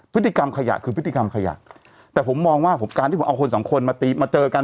พฤติกรรมขยะคือพฤติกรรมขยะแต่ผมมองว่าการที่ผมเอาคนสองคนมาตีมาเจอกัน